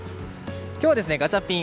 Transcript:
今日はガチャピン